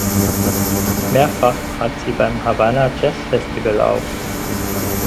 Mehrfach trat sie beim "Havanna Jazz Festival" auf.